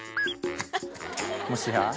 もしや。